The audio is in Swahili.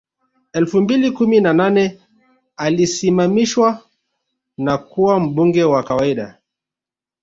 Elfu mbili kumi na nane alisimamishwa na kuwa mbunge wa kawaida